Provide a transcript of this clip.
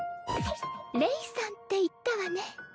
レイさんっていったわね。